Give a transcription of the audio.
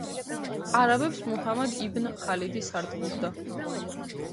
არაბებს მუჰამად იბნ ხალიდი სარდლობდა.